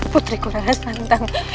putri kuranglah santang